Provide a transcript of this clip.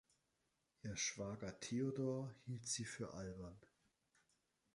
Ihr Schwager Theodor hielt sie für albern.